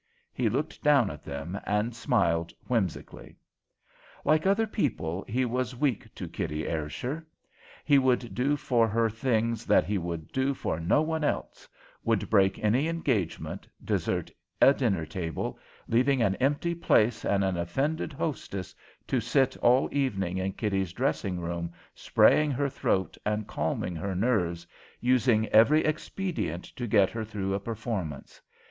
He looked down at them and smiled whimsically. Like other people, he was weak to Kitty Ayrshire. He would do for her things that he would do for no one else; would break any engagement, desert a dinner table, leaving an empty place and an offended hostess, to sit all evening in Kitty's dressing room, spraying her throat and calming her nerves, using every expedient to get her through a performance.